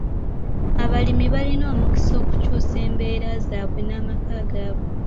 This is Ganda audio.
Abalimi balina omukisa okukyusa embeera zaabwe n'amaka gaabwe.